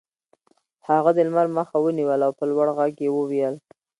هغه د لمر مخه ونیوله او په لوړ غږ یې وویل